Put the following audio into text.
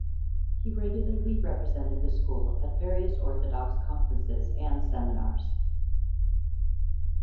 He regularly represented the school at various Orthodox conferences and seminars.